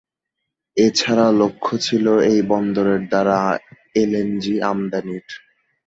এছাড়া লক্ষ্য ছিল এই বন্দরের দ্বারা এলএনজি আমদানির।